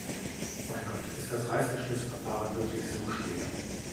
Mein Gott, ist das Reißverschlussverfahren wirklich so schwer?